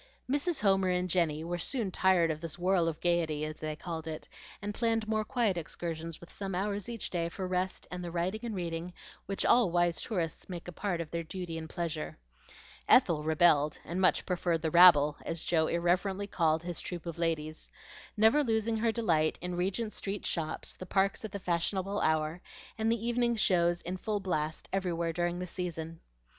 Mrs. Homer and Jenny were soon tired of this "whirl of gayety," as they called it, and planned more quiet excursions with some hours each day for rest and the writing and reading which all wise tourists make a part of their duty and pleasure. Ethel rebelled, and much preferred the "rabble," as Joe irreverently called his troop of ladies, never losing her delight in Regent Street shops, the parks at the fashionable hour, and the evening shows in full blast everywhere during the season.